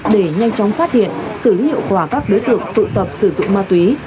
để nhanh chóng phát hiện xử lý hiệu quả các đối tượng tụ tập sử dụng ma túy